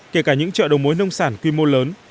kể cả những chợ đầu mối nông sản quy mô lớn